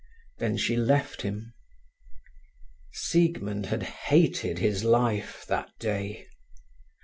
Then she left him. Siegmund had hated his life that day.